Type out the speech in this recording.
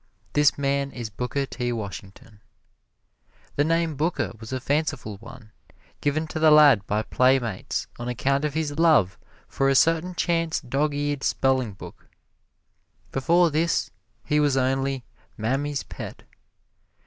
This man is Booker T. Washington. The name Booker was a fanciful one given to the lad by playmates on account of his love for a certain chance dog eared spelling book. Before this he was only Mammy's Pet.